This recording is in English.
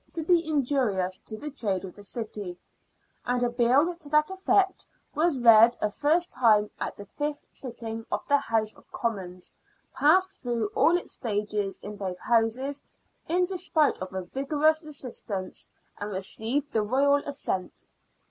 57 to be injurious to the trade of the city, and a Bill to that effect was read a first time at the fifth sitting of the House of Commons, passed through all its stages in both Houses in despite of a vigorous resistance, and received the Royal Assent.